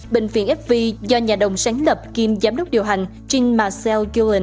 bệnh viện fv do nhà đồng sáng lập kiêm giám đốc điều hành jim massey